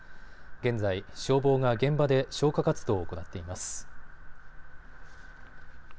現在、消防が現場で消火活動を行っています。